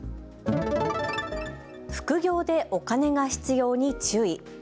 副業でお金が必要に注意。